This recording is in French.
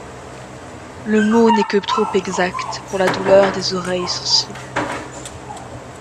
Le mot n'est que trop exact, pour la douleur des oreilles sensibles.